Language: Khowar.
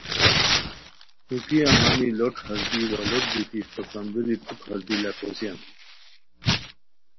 پُھکیہ ہانی لوٹ ہردی وا لُوٹ بیتی اسپہ کندوری پُھک ہردی لکھوسیان